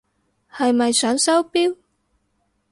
係咪想收錶？